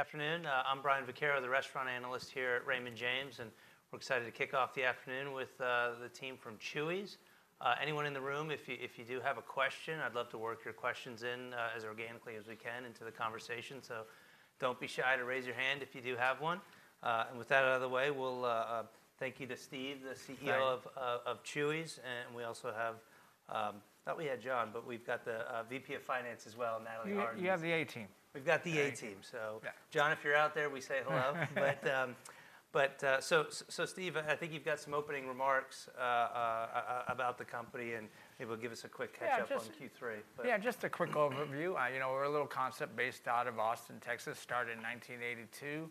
Good afternoon. I'm Brian Vaccaro, the restaurant analyst here at Raymond James, and we're excited to kick off the afternoon with the team from Chuy's. Anyone in the room, if you do have a question, I'd love to work your questions in as organically as we can into the conversation. So don't be shy to raise your hand if you do have one. And with that out of the way, we'll thank you to Steve, the CEO- Right... of, of Chuy's, and we also have thought we had Jon, but we've got the VP of Finance as well, Natalie Harden. You have the A team. We've got the A team. Yeah. So Jon, if you're out there, we say hello. But so Steve, I think you've got some opening remarks about the company, and maybe we'll give us a quick catch up- Yeah, just- - on Q3. Yeah, just a quick overview. You know, we're a little concept based out of Austin, Texas, started in 1982.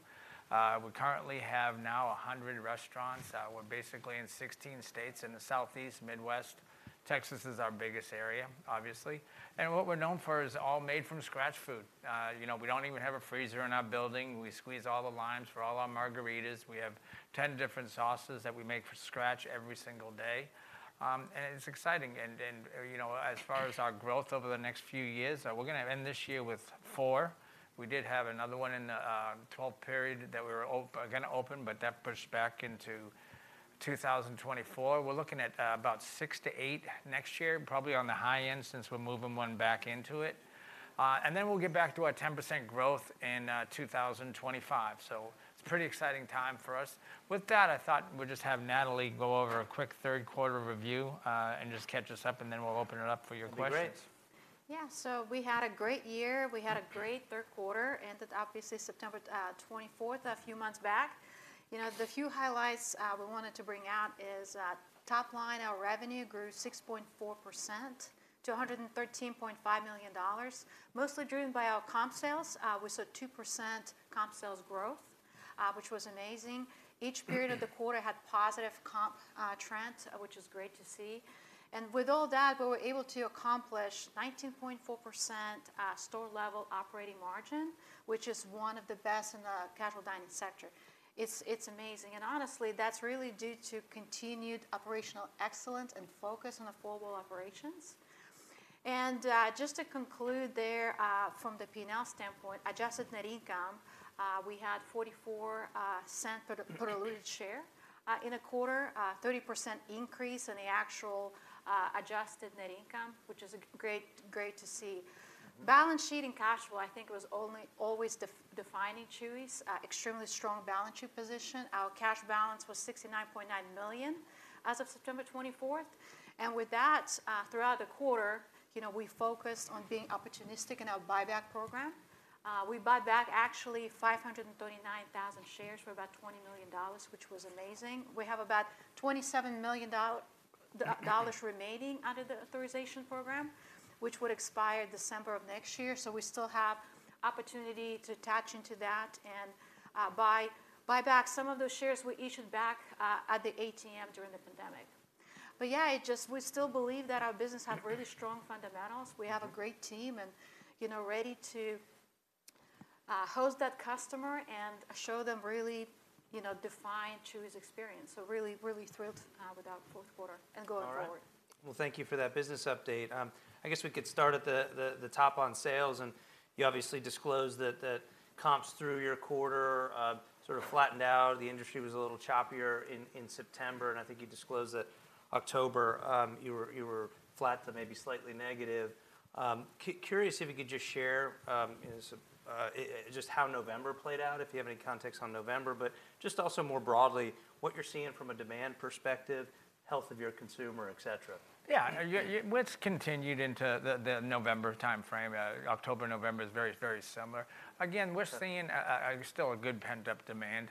We currently have now 100 restaurants. We're basically in 16 states in the Southeast, Midwest. Texas is our biggest area, obviously. And what we're known for is all made from scratch food. You know, we don't even have a freezer in our building. We squeeze all the limes for all our margaritas. We have 10 different sauces that we make from scratch every single day. And it's exciting. And you know, as far as our growth over the next few years, we're gonna end this year with 4. We did have another one in the 12th period that we were gonna open, but that pushed back into 2024. We're looking at, about 6-8 next year, probably on the high end, since we're moving one back into it. Then we'll get back to our 10% growth in 2025. So it's a pretty exciting time for us. With that, I thought we'd just have Natalie go over a quick third quarter review, and just catch us up, and then we'll open it up for your questions. Be great. Yeah. We had a great year. We had a great third quarter, ended obviously September twenty-fourth, a few months back. The few highlights we wanted to bring out is that top line, our revenue grew 6.4% to $113.5 million, mostly driven by our comp sales. We saw 2% comp sales growth, which was amazing. Each period of the quarter had positive comp trends, which is great to see, and with all that, we were able to accomplish 19.4% store-level operating margin, which is one of the best in the casual dining sector. It's, it's amazing, and honestly, that's really due to continued operational excellence and focus on affordable operations. Just to conclude there, from the P&L standpoint, adjusted net income, we had $0.44 per share in a quarter, 30% increase in the actual adjusted net income, which is great, great to see. Balance sheet and cash flow, I think, was only always defining Chuy's extremely strong balance sheet position. Our cash balance was $69.9 million as of September 24. And with that, throughout the quarter, you know, we focused on being opportunistic in our buyback program. We bought back actually 539,000 shares for about $20 million, which was amazing. We have about $27 million dollars remaining under the authorization program, which would expire December of next year. We still have opportunity to tap into that and, buy, buy back some of those shares we issued back, at the ATM during the pandemic, but, we still believe that our business have really strong fundamentals. We have a great team and, you know, ready to, host that customer and show them really, you know, defined Chuy's experience so really, really thrilled, with our fourth quarter and going forward. All right. Well, thank you for that business update. We could start at the top on sales, and you obviously disclosed that comps through your quarter sort of flattened out. The industry was a little choppier in September, and I think you disclosed that October you were flat to maybe slightly negative. Curious if you could just share just how November played out, if you have any context on November, but just also more broadly, what you're seeing from a demand perspective, health of your consumer, et cetera. Yeah, yeah, yeah. What's continued into the November time frame, October, November is very, very similar. Again, we're seeing still a good pent-up demand,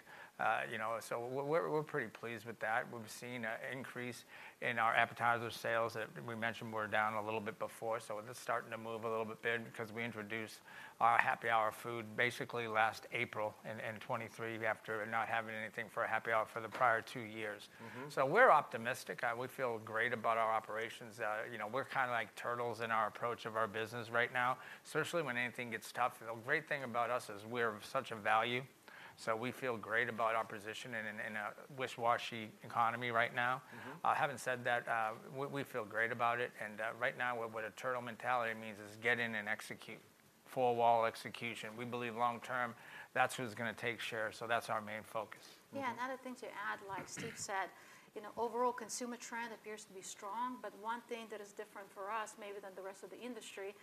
you know, so we're pretty pleased with that. We've seen a increase in our appetizer sales that we mentioned were down a little bit before, so it's starting to move a little bit there because we introduced our happy hour food basically last April in 2023, after not having anything for a happy hour for the prior two years. Mm-hmm. We're optimistic. We feel great about our operations, we're kind of like turtles in our approach of our business right now, especially when anything gets tough. The great thing about us is we're of such a value, so we feel great about our position in a wishy-washy economy right now. Mm-hmm. Having said that, we feel great about it, and right now, what a turtle mentality means is get in and execute, four-wall execution. We believe long term, that's who's gonna take share, so that's our main focus. Yeah, another thing to add, like Steve said, you know, overall consumer trend appears to be strong, but one thing that is different for us, maybe than the rest of the industry,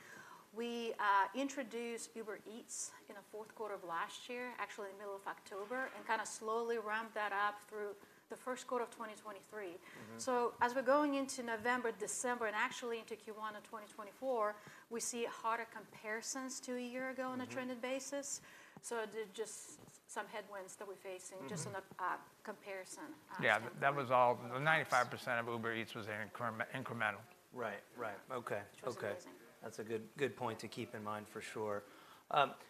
we introduced Uber Eats in the fourth quarter of last year, actually in the middle of October, and kind of slowly ramped that up through the first quarter of 2023. Mm-hmm. As we're going into November, December, and actually into Q1 of 2024, we see harder comparisons to a year ago on a trending basis. Just some headwinds that we're facing just on a comparison standpoint. Yeah, that was all the 95% of Uber Eats was incremental. Right, right. Okay, okay. That's a good, good point to keep in mind for sure.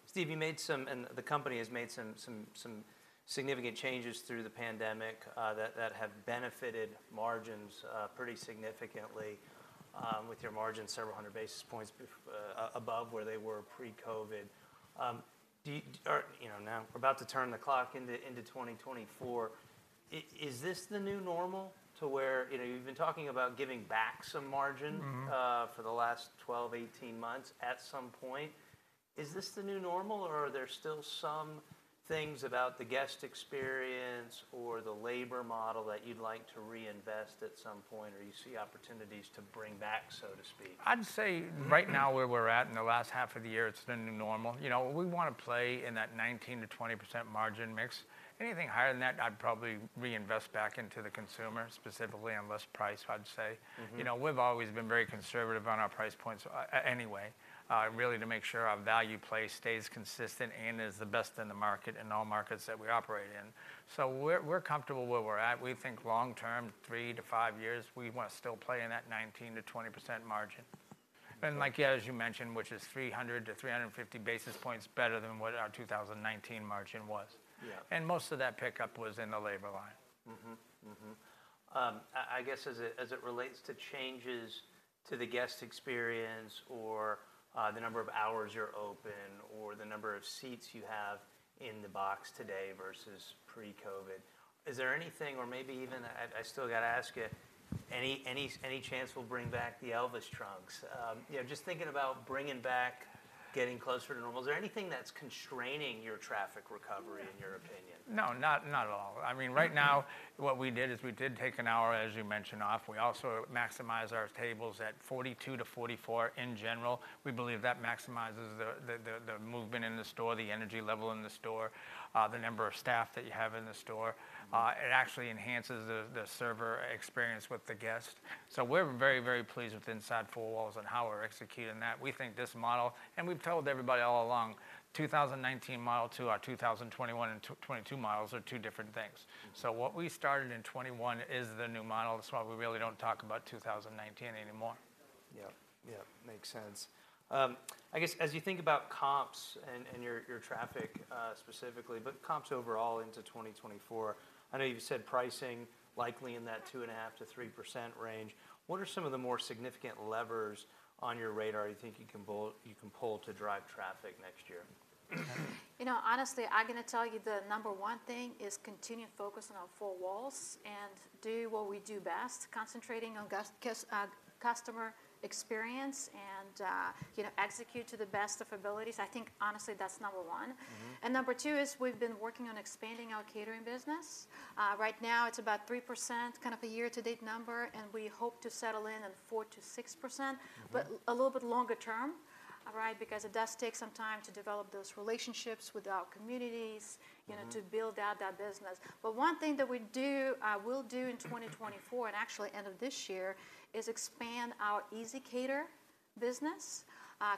Steve, you made some, and the company has made some significant changes through the pandemic that have benefited margins pretty significantly, with your margin several hundred basis points being above where they were pre-COVID. Or, you know, now we're about to turn the clock into 2024. Is this the new normal to where, you know, you've been talking about giving back some margin for the last 12-18 months, at some point. Is this the new normal, or are there still some things about the guest experience or the labor model that you'd like to reinvest at some point, or you see opportunities to bring back, so to speak? I'd say right now, where we're at in the last half of the year, it's the new normal. You know, we wanna play in that 19%-20% margin mix. Anything higher than that, I'd probably reinvest back into the consumer, specifically on less price, I'd say. Mm-hmm. You know, we've always been very conservative on our price points, anyway, really to make sure our value play stays consistent and is the best in the market, in all markets that we operate in. We're comfortable where we're at. We think long term, 3-5 years, we wanna still play in that 19%-20% margin. And like, yeah, as you mentioned, which is 300-350 basis points better than what our 2019 margin was. Yeah. Most of that pickup was in the labor line. As it relates to changes to the guest experience or the number of hours you're open, or the number of seats you have in the box today versus pre-COVID, is there anything... Or maybe even, I still gotta ask you, any chance we'll bring back the Elvis trunks? Just thinking about bringing back, getting closer to normal, is there anything that's constraining your traffic recovery in your opinion? No, not at all. I mean, right now, what we did is we did take an hour, as you mentioned, off. We also maximize our tables at 42-44 in general. We believe that maximizes the movement in the store, the energy level in the store, the number of staff that you have in the store. It actually enhances the server experience with the guest. So we're very, very pleased with inside four walls and how we're executing that. We think this model, and we've told everybody all along, 2019 model to our 2021 and 2022 models are two different things. Mm-hmm. What we started in 2021 is the new model. That's why we really don't talk about 2019 anymore. Yep. Yep, makes sense. I guess, as you think about comps and your traffic, specifically, but comps overall into 2024, I know you've said pricing likely in that 2.5%-3% range. What are some of the more significant levers on your radar you think you can pull to drive traffic next year? Honestly, I'm gonna tell you, the number one thing is continuing focusing on four walls and do what we do best, concentrating on customer experience and, you know, execute to the best of abilities. I think, honestly, that's number one. Mm-hmm. Number 2 is, we've been working on expanding our catering business. Right now, it's about 3%, kind of a year-to-date number, and we hope to settle in at 4%-6% but a little bit longer term, right, because it does take some time to develop those relationships with our communities to build out that business. One thing that we do, we'll do in 2024, and actually end of this year, is expand our ezCater business.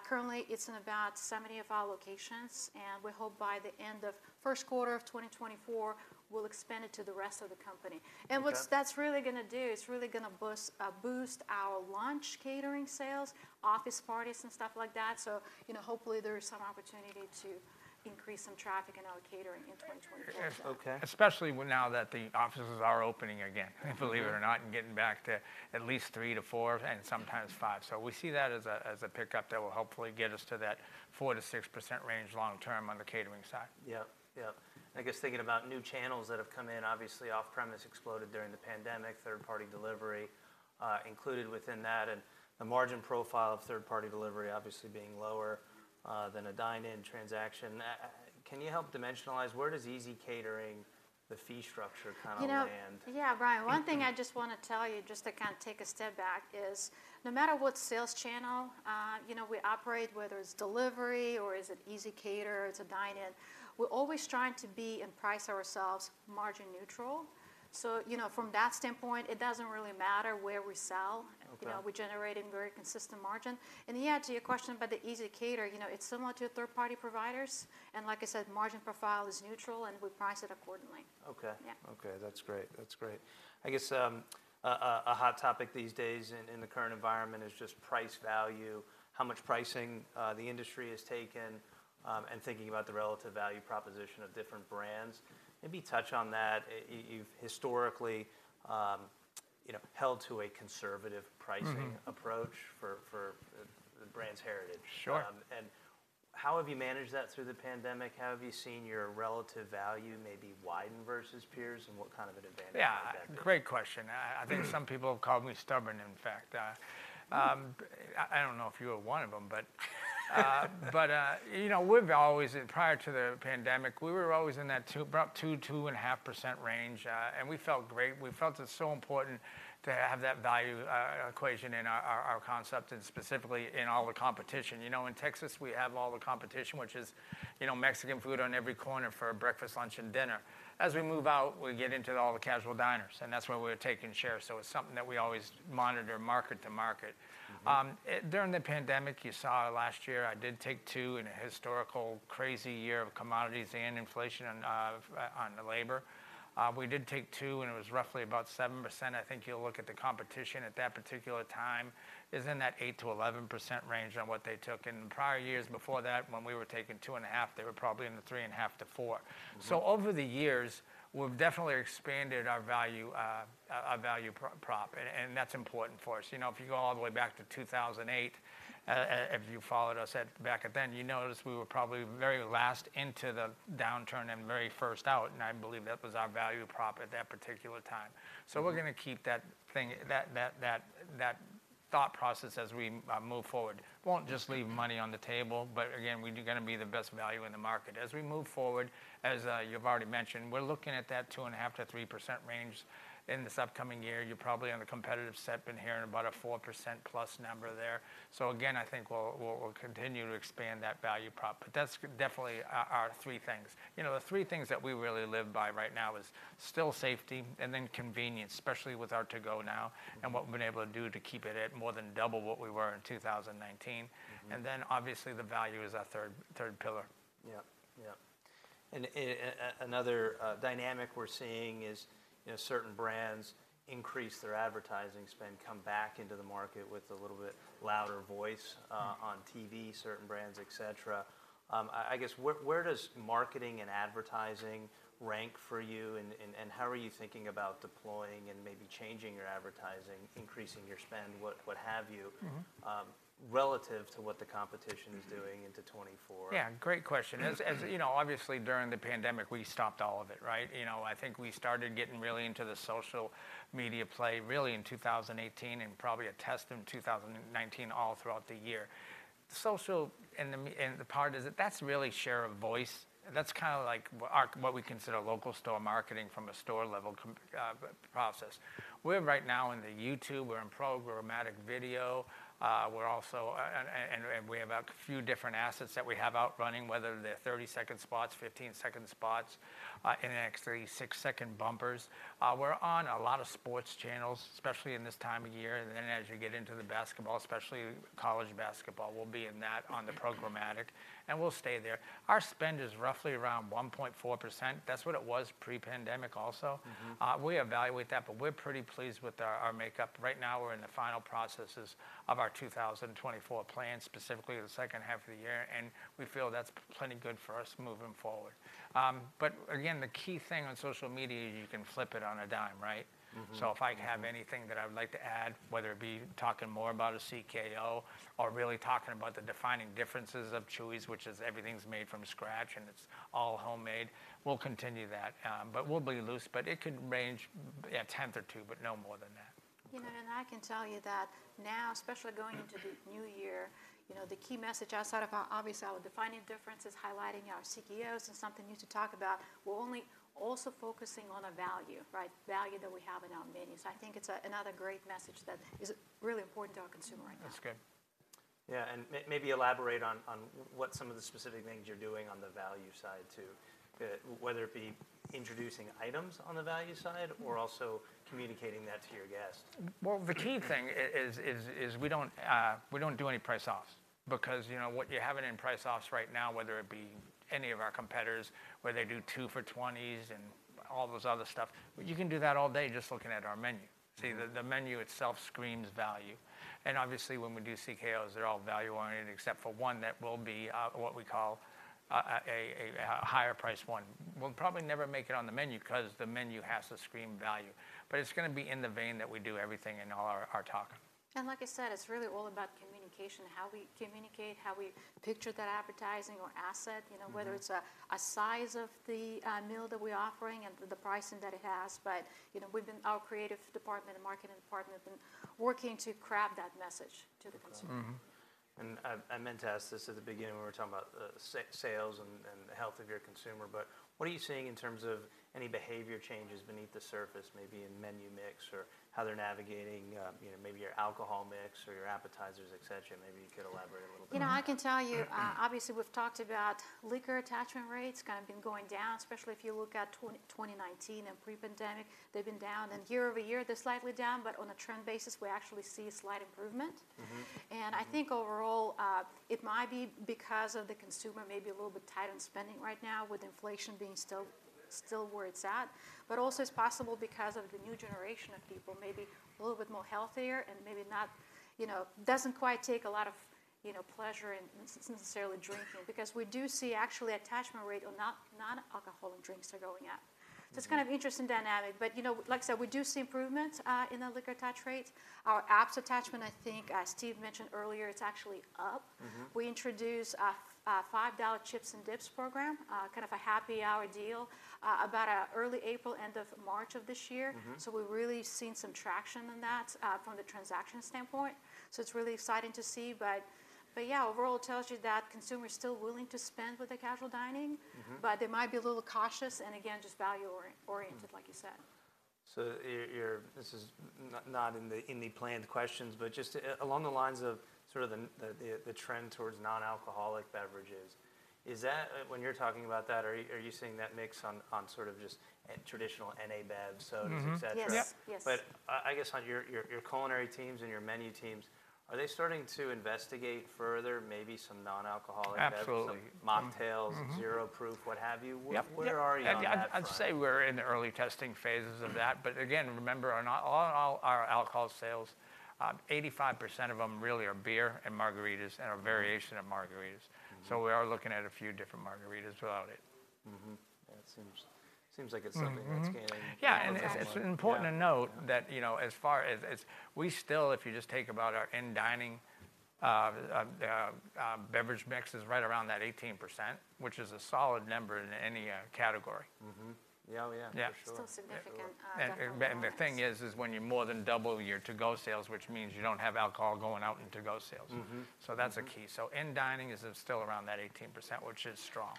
Currently, it's in about 70 of our locations, and we hope by the end of first quarter of 2024, we'll expand it to the rest of the company. Okay. What that's really gonna do, it's really gonna boost our lunch catering sales, office parties, and stuff like that. You know, hopefully, there is some opportunity to increase some traffic in our catering in 2024. Okay. Especially when, now that the offices are opening again, believe it or not, and getting back to at least 3-4 and sometimes 5. We see that as a, as a pickup that will hopefully get us to that 4%-6% range long term on the catering side. Yep, yep. I guess thinking about new channels that have come in, obviously, off-premise exploded during the pandemic, third-party delivery, included within that, and the margin profile of third-party delivery obviously being lower, than a dine-in transaction. Can you help dimensionalize where does ezCater, the fee structure kind of land? You know, yeah, Brian, one thing I just wanna tell you, just to kind of take a step back, is no matter what sales channel, you know, we operate, whether it's delivery or is it ezCater, it's a dine-in, we're always trying to be and price ourselves margin neutral. You know, from that standpoint, it doesn't really matter where we sell. Okay. We're generating very consistent margin, and yeah, to your question about the ezCater, it's similar to third-party providers, and like I said, margin profile is neutral, and we price it accordingly. Okay. Yeah. Okay, that's great. That's great. I guess, a hot topic these days in the current environment is just price value, how much pricing the industry has taken, and thinking about the relative value proposition of different brands. Maybe touch on that. You’ve historically, you know, held to a conservative pricing approach for the brand's heritage. Sure. How have you managed that through the pandemic? How have you seen your relative value maybe widen versus peers, and what kind of an advantage is that? Yeah, great question. I think some people have called me stubborn, in fact, I don't know if you are one of them, but,, we've always, and prior to the pandemic, we were always in that 2, about 2, 2.5% range, and we felt great. We felt it's so important to have that value equation in our concept and specifically in all the competition. In Texas, we have all the competition, which is, Mexican food on every corner for breakfast, lunch, and dinner. As we move out, we get into all the casual diners, and that's where we're taking share. So it's something that we always monitor market to market. Mm-hmm. During the pandemic, you saw last year, I did take 2 in a historical crazy year of commodities and inflation and, on the labor. We did take 2, and it was roughly about 7%. I think you'll look at the competition at that particular time, is in that 8%-11% range on what they took. In prior years before that, when we were taking 2.5, they were probably in the 3.5-4. Mm-hmm. Over the years, we've definitely expanded our value prop, and that's important for us. If you go all the way back to 2008, if you followed us back then, you notice we were probably very last into the downturn and very first out, and I believe that was our value prop at that particular time. Mm-hmm. We're gonna keep that thing thought process as we move forward. Won't just leave money on the table, but again, we're gonna be the best value in the market. As we move forward, as you've already mentioned, we're looking at that 2.5%-3% range in this upcoming year. You're probably on the competitive set been hearing about a 4%+ number there. Again, we'll continue to expand that value prop, but that's definitely our three things. The three things that we really live by right now is still safety and then convenience, especially with our to-go now, and what we've been able to do to keep it at more than double what we were in 2019. Mm-hmm. Then obviously, the value is our third pillar. Yeah. Yeah. And another dynamic we're seeing is, you know, certain brands increase their advertising spend, come back into the market with a little bit louder voice on TV, certain brands, et cetera. Where does marketing and advertising rank for you, and how are you thinking about deploying and maybe changing your advertising, increasing your spend, what have you relative to what the competition is doing into 2024? Yeah, great question. Mm. As you know, obviously, during the pandemic, we stopped all of it, right? You know, I think we started getting really into the social media play really in 2018, and probably a test in 2019, all throughout the year. Social and the, and the part is that that's really share of voice. That's kind of like our... what we consider local store marketing from a store-level com- process. We're right now in the YouTube, we're in programmatic video. We're also and we have a few different assets that we have out running, whether they're 30-second spots, 15-second spots, and the next 36-second bumpers. We're on a lot of sports channels, especially in this time of year, and then as you get into the basketball, especially college basketball, we'll be in that on the programmatic, and we'll stay there. Our spend is roughly around 1.4%. That's what it was pre-pandemic also. Mm-hmm. We evaluate that, but we're pretty pleased with our makeup. Right now, we're in the final processes of our 2024 plan, specifically the second half of the year, and we feel that's plenty good for us moving forward. Again, the key thing on social media, you can flip it on a dime, right? Mm-hmm. Mm-hmm. If I have anything that I would like to add, whether it be talking more about a CKO or really talking about the defining differences of Chuy's, which is everything's made from scratch, and it's all homemade, we'll continue that. We'll be loose, but it could range a tenth or two, but no more than that. I can tell you that now, especially going into the new year, you know, the key message outside of our, obviously, our defining differences, highlighting our CKOs and something new to talk about, we're only also focusing on our value, right? Value that we have in our menu. I think it's a, another great message that is really important to our consumer right now. That's great. Yeah, and maybe elaborate on what some of the specific things you're doing on the value side, too. Whether it be introducing items on the value side or also communicating that to your guests. Well, the key thing is we don't do any price offs, what you have it in price offs right now, whether it be any of our competitors, where they do 2 for $20s and all those other stuff, you can do that all day just looking at our menu. Mm. See, the menu itself screams value, and obviously, when we do CKOs, they're all value-oriented, except for one that will be what we call a higher-priced one. We'll probably never make it on the menu because the menu has to scream value, but it's gonna be in the vein that we do everything in all our talk. Like I said, it's really all about communication, how we communicate, how we picture that advertising or asset, you know whether it's the size of the meal that we're offering and the pricing that it has, but our creative department and marketing department have been working to craft that message to the consumer. Mm-hmm. I meant to ask this at the beginning when we were talking about the sales and the health of your consumer, but what are you seeing in terms of any behavior changes beneath the surface, maybe in menu mix or how they're navigating, you know, maybe your alcohol mix or your appetizers, et cetera? Maybe you could elaborate a little bit on that. You know, I can tell you obviously, we've talked about liquor attachment rates kind of been going down, especially if you look at 2020 and 2019 and pre-pandemic. They've been down, and year-over-year, they're slightly down, but on a trend basis, we actually see a slight improvement. Mm-hmm. I think overall, it might be because of the consumer maybe a little bit tight on spending right now, with inflation being still where it's at. But also, it's possible because of the new generation of people, maybe a little bit more healthier and maybe not, you know, doesn't quite take a lot of, you know, pleasure in necessarily drinking, because we do see actually attachment rate on non-alcoholic drinks are going up. Mm. It's kind of interesting dynamic, but, you know, like I said, we do see improvements in the liquor attach rates. Our apps attachment, I think, as Steve mentioned earlier, it's actually up. Mm-hmm. We introduced a $5 chips and dips program, kind of a happy hour deal, about early April, end of March of this year. Mm-hmm. We're really seeing some traction on that from the transaction standpoint so t's really exciting to see, but yeah, overall, it tells you that consumers are still willing to spend with the casual dining but they might be a little cautious, and again, just value-oriented, like you said. This is not in the planned questions, but just along the lines of sort of the trend towards non-alcoholic beverages, is that, when you're talking about that, are you seeing that mix on sort of just traditional NA bev, sodas, et cetera? Mm-hmm. Yes. Yep. Yes. I guess on your culinary teams and your menu teams, are they starting to investigate further, maybe some non-alcoholic bevs some mocktails zero-proof, what have you? Yep. Where are you on that front? I'd say we're in the early testing phases of that, but again, remember, on all our alcohol sales, 85% of them really are beer and margaritas and a variation of margaritas. Mm. We are looking at a few different margaritas without it. Mm-hmm. That seems like it's something that's gaining momentum, yeah. It's important to note that, you know, as far as we still, if you just talk about our dine-in average mix is right around that 18%, which is a solid number in any category. Mm-hmm. Yeah, oh, yeah. Yeah. Still significant. The thing is, when you more than double your to-go sales, which means you don't have alcohol going out in to-go sales. Mm-hmm. That's a key. In dining, is it still around that 18%, which is strong?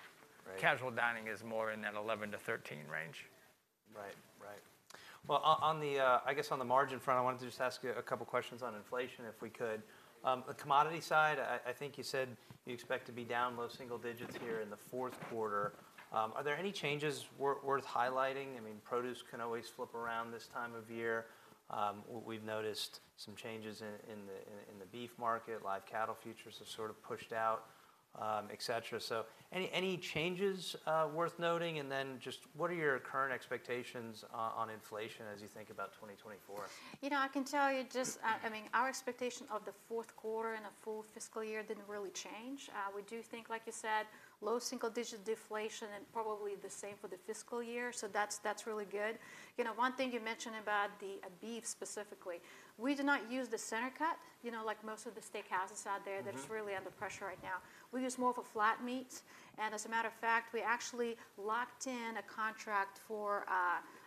Right. Casual dining is more in that 11-13 range. Right. Right. Well, on the margin front, I wanted to just ask you a couple questions on inflation, if we could. The commodity side, I think you said you expect to be down low single digits here in the fourth quarter. Are there any changes worth highlighting? I mean, produce can always flip around this time of year. We've noticed some changes in the beef market. Live cattle futures have sort of pushed out, et cetera. So any changes worth noting? And then just what are your current expectations on inflation as you think about 2024? You know, I can tell you just, I mean, our expectation of the fourth quarter and a full fiscal year didn't really change. We do think, like you said, low single-digit deflation and probably the same for the fiscal year, so that's, that's really good. You know, one thing you mentioned about the beef specifically, we do not use the center cut, you know, like most of the steakhouses out there that's really under pressure right now. We use more of a flat meat, and as a matter of fact, we actually locked in a contract for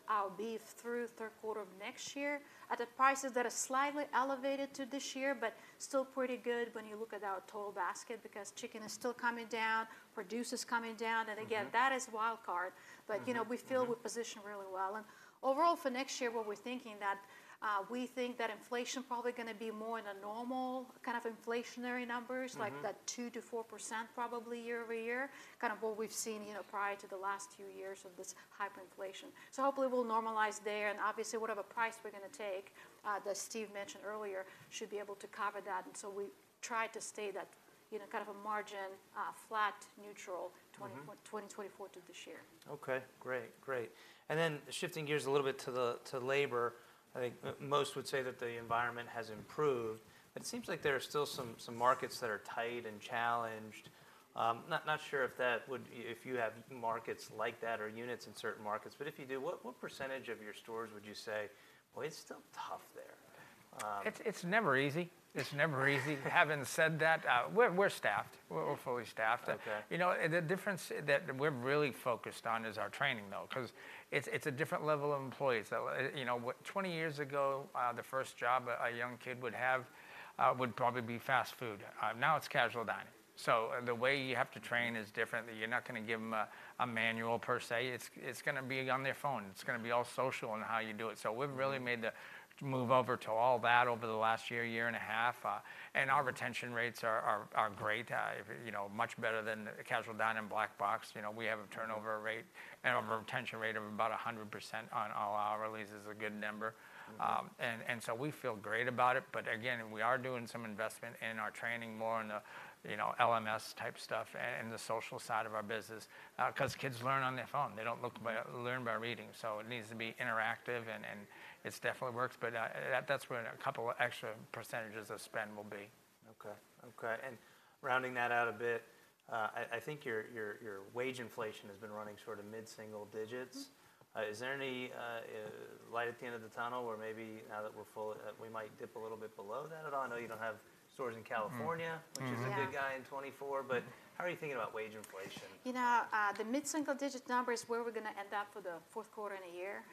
our beef through third quarter of next year at the prices that are slightly elevated to this year, but still pretty good when you look at our total basket, because chicken is still coming down, produce is coming down and again, that is wild card. Mm-hmm. You know, we feel we're positioned really well. Overall, for next year, what we're thinking that, we think that inflation probably gonna be more in a normal kind of inflationary numbers like that 2%-4%, probably year-over-year, kind of what we've seen, you know, prior to the last few years of this hyperinflation. So hopefully, we'll normalize there, and obviously, whatever price we're gonna take, that Steve mentioned earlier, should be able to cover that. And so we try to stay that, you know, kind of a margin flat, neutral 2024 to this year. Okay, great, great. And then shifting gears a little bit to labor, I think most would say that the environment has improved, but it seems like there are still some markets that are tight and challenged. Not sure if you have markets like that or units in certain markets, but if you do, what percentage of your stores would you say, "Well, it's still tough there? It's never easy. It's never easy. Having said that, we're staffed. We're fully staffed. Okay. You know, and the difference that we're really focused on is our training, though, 'cause it's, it's a different level of employees, so what, 20 years ago, the first job a young kid would have would probably be fast food. Now it's casual dining, so the way you have to train is different. You're not gonna give them a, a manual per se. It's, it's gonna be on their phone. It's gonna be all social in how you do it, so we've really made the move over to all that over the last year, year and a half, and our retention rates are, are, are great, you know, much better than casual dining Black Box. You know, we have a turnover rate and a retention rate of about 100% on all our leases is a good number. Mm-hmm. We feel great about it, but again, we are doing some investment in our training more in the, you know, LMS-type stuff and the social side of our business. 'Cause kids learn on their phone. They don't learn by reading, so it needs to be interactive, and it definitely works, but that's where a couple of extra percentages of spend will be. Okay, okay. And rounding that out a bit, I think your wage inflation has been running sort of mid-single digits. Mm-hmm. Is there any light at the end of the tunnel, or maybe now that we're full, we might dip a little bit below that at all? I know you don't have stores in California which is a good guy in 2024, but how are you thinking about wage inflation? You know, the mid-single-digit number is where we're gonna end up for the fourth quarter and a year.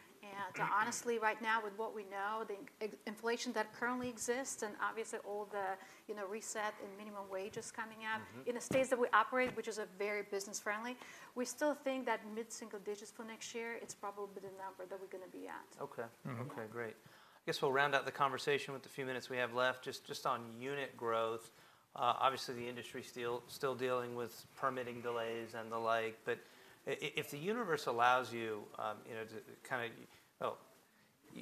Mm-hmm. Honestly, right now, with what we know, the inflation that currently exists and obviously all the, you know, reset and minimum wages coming up in the states that we operate, which is a very business-friendly, we still think that mid-single digits for next year, it's probably the number that we're gonna be at. Okay. Mm-hmm. Okay, great. I guess we'll round out the conversation with the few minutes we have left, just on unit growth. Obviously, the industry is still dealing with permitting delays and the like, but if, if the universe allows you, you know, to kind of...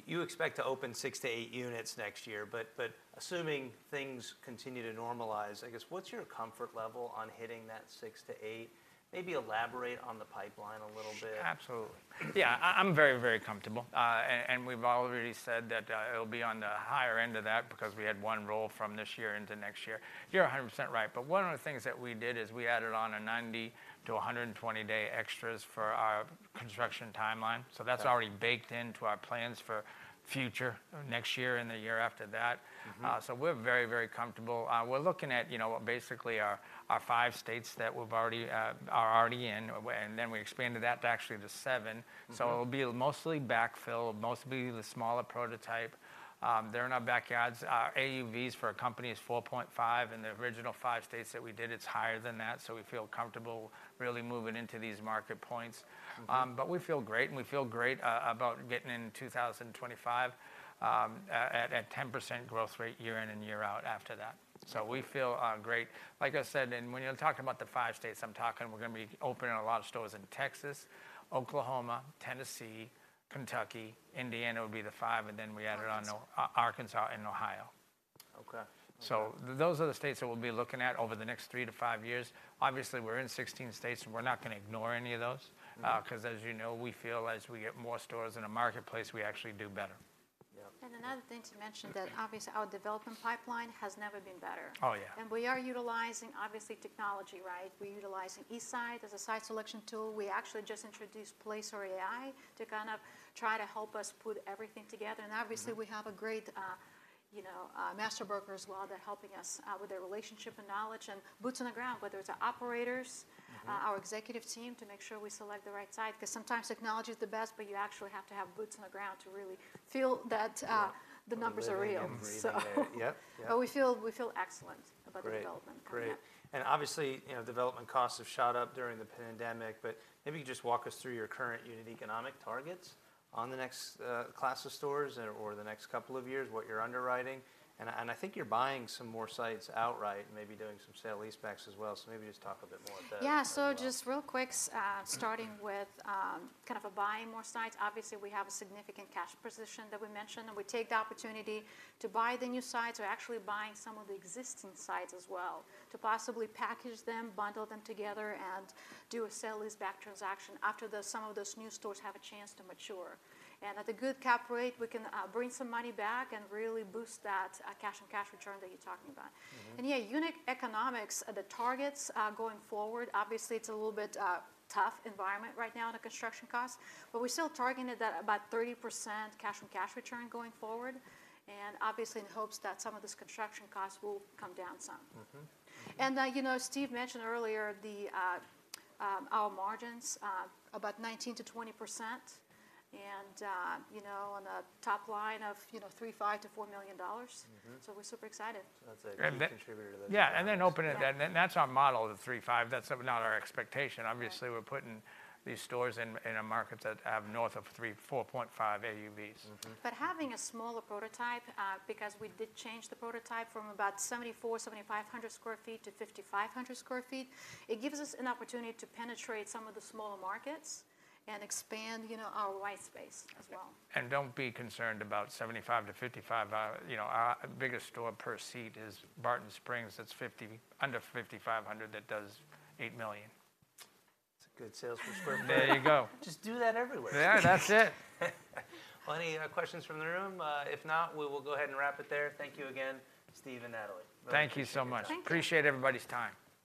You expect to open six to eight units next year, but assuming things continue to normalize, I guess, what's your comfort level on hitting that six to eight? Maybe elaborate on the pipeline a little bit. Absolutely. Yeah, I'm very, very comfortable. And we've already said that, it'll be on the higher end of that because we had one roll from this year into next year. You're 100% right, but one of the things that we did is we added on a 90-120-day extras for our construction timeline. Okay. That's already baked into our plans for future, next year and the year after that. Mm-hmm. We're very, very comfortable. We're looking at, you know, what, basically our five states that we've already are already in, and then we expanded that to actually seven. Mm-hmm. It'll be mostly backfill, mostly the smaller prototype. They're in our backyards. Our AUVs for our company is 4.5, in the original five states that we did, it's higher than that, so we feel comfortable really moving into these market points. Mm-hmm. We feel great, and we feel great about getting into 2025 at 10% growth rate year in and year out after that. So we feel great. Like I said, and when you're talking about the five states, I'm talking, we're gonna be opening a lot of stores in Texas, Oklahoma, Tennessee, Kentucky, Indiana would be the five, and then we added on- Arkansas... Arkansas and Ohio. Okay. Those are the states that we'll be looking at over the next 3-5 years. Obviously, we're in 16 states, and we're not gonna ignore any of those. Mm-hmm. 'Cause as you know, we feel as we get more stores in a marketplace, we actually do better. Another thing to mention that obviously our development pipeline has never been better. Oh, yeah. We are utilizing, obviously, technology, right? We're utilizing Esri as a site selection tool. We actually just introduced Placer.ai to kind of try to help us put everything together. Mm-hmm. Obviously, we have a great, you know, master broker as well. They're helping us with their relationship and knowledge, and boots on the ground, whether it's our operators our executive team, to make sure we select the right site. 'Cause sometimes technology is the best, but you actually have to have boots on the ground to really feel that, the numbers are real. Yeah, living and breathing there. So, Yep. Yeah. We feel excellent about the development coming up. Great. And obviously, you know, development costs have shot up during the pandemic, but maybe you can just walk us through your current unit economic targets on the next class of stores or, or the next couple of years, what you're underwriting. And I, and I think you're buying some more sites outright and maybe doing some sale-leasebacks as well. So maybe just talk a bit more about that as well. Yeah, so just real quick, starting with, kind of a buying more sites. Obviously, we have a significant cash position that we mentioned, and we take the opportunity to buy the new sites. We're actually buying some of the existing sites as well, to possibly package them, bundle them together, and do a sale-leaseback transaction after some of those new stores have a chance to mature. And at a good cap rate, we can bring some money back and really boost that cash on cash return that you're talking about. Mm-hmm. Yeah, unit economics, the targets going forward. Obviously, it's a little bit tough environment right now, the construction costs, but we're still targeting at about 30% cash on cash return going forward, and obviously in hopes that some of this construction costs will come down some. Mm-hmm. Mm-hmm. Steve mentioned earlier our margins about 19%-20%, and you know, on a top line of you know, $3.5 million-$4 million. Mm-hmm. We're super excited. That's a key contributor to those and then opening, and then that's our model, the 3-5. That's not our expectation. Right. Obviously, we're putting these stores in a market that have north of 3-4.5 AUVs. Mm-hmm. Having a smaller prototype, because we did change the prototype from about 7,400-7,500 sq ft to 5,500 sq ft, it gives us an opportunity to penetrate some of the smaller markets and expand, you know, our white space as well. Don't be concerned about 75-55. You know, our biggest store per seat is Barton Springs. That's 50 under 5,500, that does $8 million. That's a good sales per sq ft. There you go. Just do that everywhere. Yeah, that's it. Well, any questions from the room? If not, we will go ahead and wrap it there. Thank you again, Steve and Natalie. Thank you so much. Thank you. Appreciate everybody's time.